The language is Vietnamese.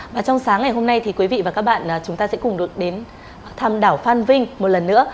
và trong sáng ngày hôm nay thì quý vị và các bạn chúng ta sẽ cùng được đến thăm đảo phan vinh một lần nữa